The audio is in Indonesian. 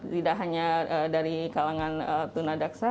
tidak hanya dari kalangan tunadaksa